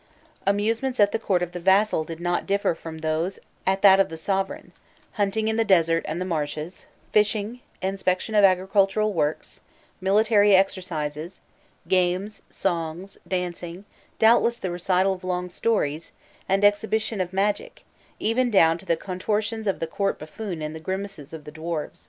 Amusements at the court of the vassal did not differ from those at that of the sovereign: hunting in the desert and the marshes, fishing, inspection of agricultural works, military exercises, games, songs, dancing, doubtless the recital of long stories, and exhibitions of magic, even down to the contortions of the court buffoon and the grimaces of the dwarfs.